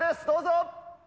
どうぞ。